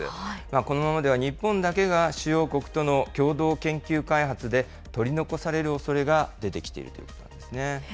このままでは日本だけが主要国との共同研究開発で取り残されるおそれが出てきているということなんですね。